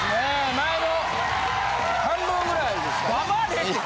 前の半分ぐらいですかね。